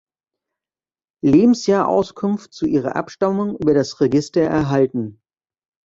Lebensjahr Auskunft zu ihrer Abstammung über das Register erhalten.